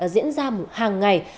diễn ra hàng ngày